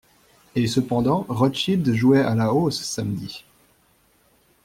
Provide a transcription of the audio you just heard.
Et cependant Rothschild jouait à la hausse, samedi.